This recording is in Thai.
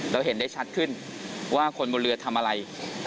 แล้วเห็นได้ชัดขึ้นว่าคนบนเรือทำอะไรนะครับ